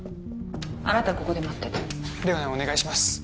あなたはここで待ってて玲於奈をお願いします